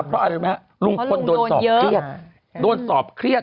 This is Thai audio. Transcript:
เพราะลุงพลโดนสอบเครียด